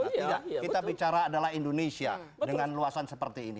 kita bicara adalah indonesia dengan luasan seperti ini